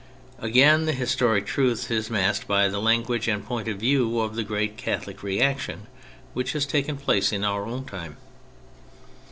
Again, the historic truth is masked by the language and point of view of the great Catholic reaction which has taken place in our own time.